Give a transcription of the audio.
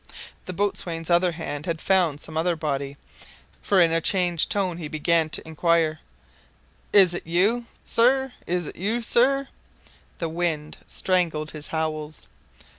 The boatswain's other hand had found some other body, for in a changed tone he began to inquire: "Is it you, sir? Is it you, sir?" The wind strangled his howls.